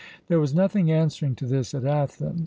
There was nothing answering to this at Athens.